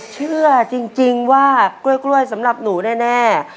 เชื่อจริงว่ากล้วยสำหรับหนูแน่